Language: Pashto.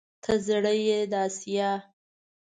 ته زړه يې د اسيا